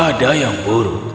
ada yang buruk